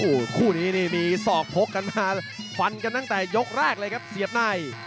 โอ้โหคู่นี้นี่มีศอกพกกันมาฟันกันตั้งแต่ยกแรกเลยครับเสียบใน